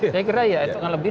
saya kira ya itu akan lebih